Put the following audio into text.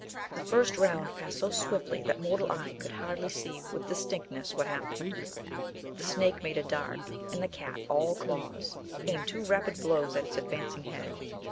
The first round passed so swiftly that mortal eye could hardly see with distinctness what happened. The snake made a dart, and the cat, all claws, aimed two rapid blows at its advancing head.